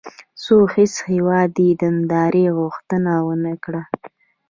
خو هېڅ هېواد یې د نندارې غوښتنه ونه کړه.